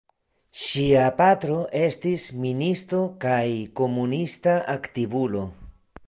Ŝia patro estis ministo kaj komunista aktivulo.